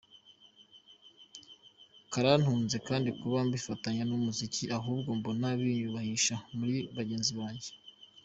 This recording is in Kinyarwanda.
Karantunze kandi kuba mbifatanya n’umuziki ahubwo mbona binyubahisha muri bagenzi banjye”.